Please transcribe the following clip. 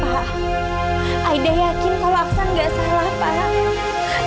aida yakin kalau aksan gak salah pak